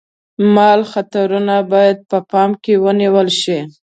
مال خطرونه باید په پام کې ونیول شي.